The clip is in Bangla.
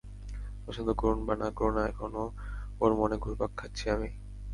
পছন্দ করুন বা না করুন, এখনও ওর মনে ঘুরপাক খাচ্ছি আমি।